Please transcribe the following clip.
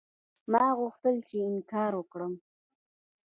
ما غوښتل چې انکار وکړم.